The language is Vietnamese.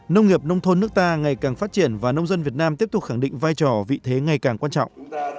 nông nghiệp nông thôn nước ta ngày càng phát triển và nông dân việt nam tiếp tục khẳng định vai trò vị thế ngày càng quan trọng